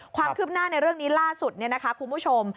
ความคืบหน้าในเรื่องนี้ล่าสุดคุณผู้ชม